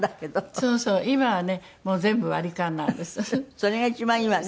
それが一番いいわね。